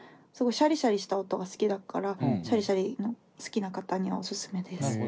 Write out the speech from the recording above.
すごいシャリシャリした音が好きだからシャリシャリの好きな方におすすめです。